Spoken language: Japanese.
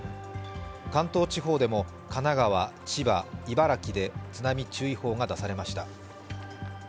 関東地方でも神奈川、千葉、茨城で津波注意報が出されました。